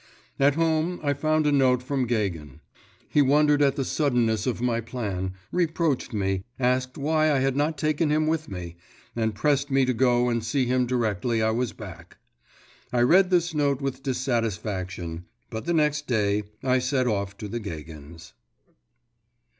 At home I found a note from Gagin. He wondered at the suddenness of my plan, reproached me, asked why I had not taken him with me, and pressed me to go and see him directly I was back. I read this note with dissatisfaction; but the next day I set off to the Gagins.